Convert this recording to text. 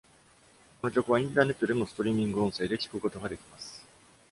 この局はインターネットでもストリーミング音声で聞くことができます。